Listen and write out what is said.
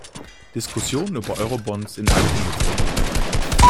Diskussionen über Eurobonds in alle Himmelsrichtungen.